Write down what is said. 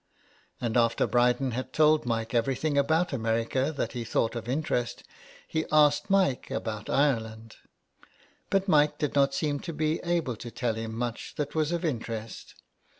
And after Bryden had told Mike everything about America that he thought of interest, he asked Mike about Ireland. But Mike did not seem to be able to tell him much that was of interest.